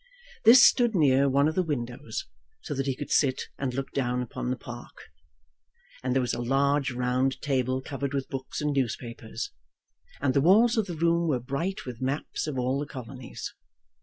This stood near one of the windows, so that he could sit and look down upon the park. And there was a large round table covered with books and newspapers. And the walls of the room were bright with maps of all the colonies.